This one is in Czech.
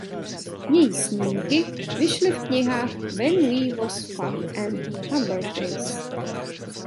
Její snímky vyšly v knihách "When We Was Fab" a "Hamburg Days".